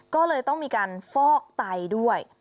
ก็เลยต้องมีการฟอกไตด้วย